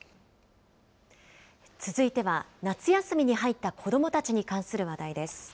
続いては、夏休みに入った子どもたちに関する話題です。